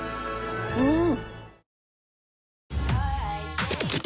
うん！